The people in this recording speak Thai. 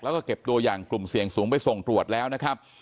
แล้วก็เก็บตัวอย่างกลุ่มเสี่ยงสูงไปส่งตรวจแล้วนะครับ